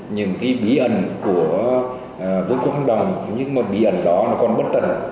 những bí ẩn của vương quốc hành động nhưng mà bí ẩn đó còn bất tận